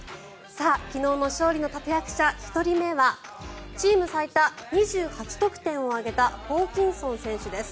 昨日の勝利の立役者１人目はチーム最多２８得点を挙げたホーキンソン選手です。